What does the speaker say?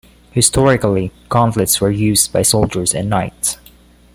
Historically, gauntlets were used by soldiers and knights.